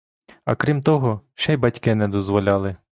А крім того, ще й батьки не дозволяли.